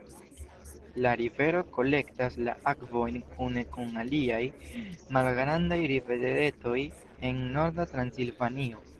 La rivero kolektas la akvojn kune kun aliaj malgrandaj riveretoj en Norda Transilvanio.